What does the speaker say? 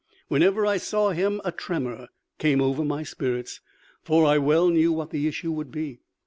Whenever I saw him a tremor came over my spirits, for I well knew what the issue would be.